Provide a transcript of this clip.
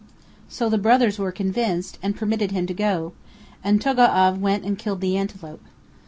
So the brothers were convinced and permitted him to go; and Togo'av went and killed the antelope.